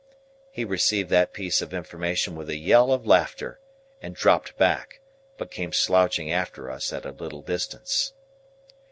He received that piece of information with a yell of laughter, and dropped back, but came slouching after us at a little distance.